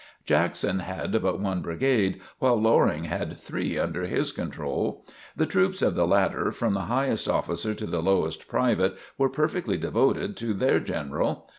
Jackson had but one brigade, while Loring had three under his control. The troops of the latter, from the highest officer to the lowest private, were perfectly devoted to their General.